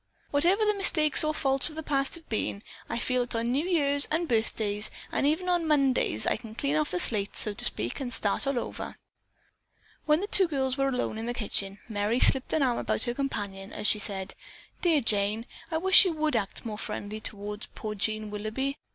"Whatever the mistakes or faults of the past have been, I feel that on New Years and birthdays, and even on Mondays, I can clean off the slate, so to speak, and start all over." When the two girls were alone in the kitchen, Merry slipped an arm about her companion as she said, "Dear Jane, I wish you would act more friendly toward poor Jean Willoughby.